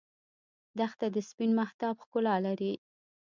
دښته د سپین مهتاب ښکلا لري.